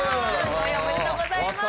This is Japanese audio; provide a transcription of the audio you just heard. ５位おめでとうございます